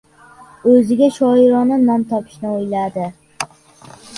O‘ziga shoirona nom topishni o‘yladi.